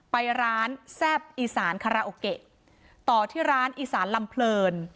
ไปร้านแซ่บอีสานคาราโอเกะต่อที่ร้านอีสานลำเพลิน